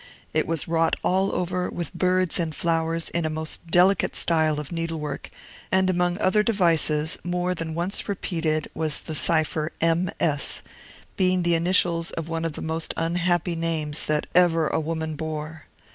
It was wrought all over with birds and flowers in a most delicate style of needlework, and among other devices, more than once repeated, was the cipher, M. S., being the initials of one of the most unhappy names that ever a woman bore.